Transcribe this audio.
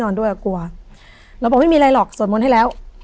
ด้วยกลัวเราบอกไม่มีอะไรหรอกสวดมนต์ให้แล้ว